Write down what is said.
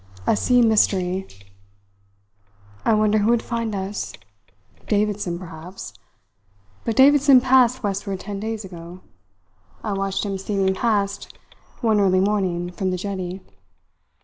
A sea mystery. I wonder who would find us! Davidson, perhaps; but Davidson passed westward ten days ago. I watched him steaming past one early morning, from the jetty."